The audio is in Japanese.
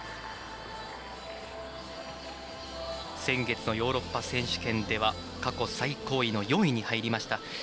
先月のヨーロッパ選手権では過去最高位の４位に入りました。